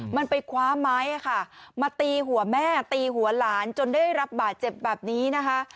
มันไปคว้าไม้มาตีหัวแม่ตีหัวหลานจนได้รับบาดเจ็บแบบนี้นะคะ